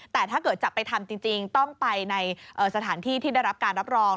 แต่ถ้าเกิดจะไปทำจริงต้องไปในสถานที่ที่ได้รับการรับรอง